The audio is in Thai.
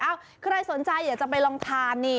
ใครสนใจอยากจะไปลองทานนี่